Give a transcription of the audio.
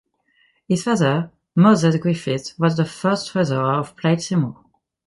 His father, Moses Griffith, was the first Treasurer of Plaid Cymru.